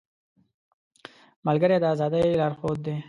ملګری د ازادۍ لارښود دی